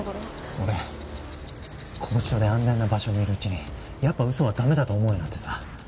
俺拘置所で安全な場所にいるうちにやっぱ嘘は駄目だと思うようになってさ。